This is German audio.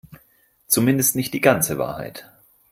Zumindest nicht die ganze Wahrheit.